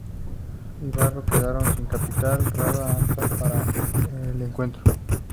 Líbano quedaron sin capitán Roda Antar para el encuentro.